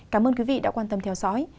cảm ơn quý vị đã quan tâm theo dõi